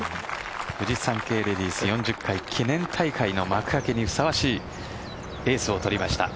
フジサンケイレディス４０回記念大会の幕開けにふさわしいエースを取りました。